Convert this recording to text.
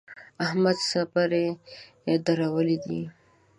احمد څپری درولی دی.